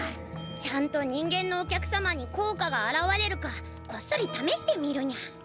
ちゃんと人間のお客様に効果が現れるかこっそりためしてみるにゃ。